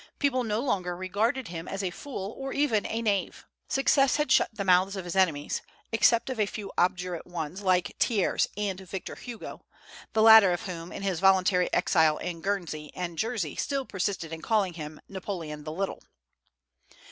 People no longer regarded him as a fool, or even a knave. Success had shut the mouths of his enemies, except of a few obdurate ones like Thiers and Victor Hugo, the latter of whom in his voluntary exile in Guernsey and Jersey still persisted in calling him "Napoleon the Little."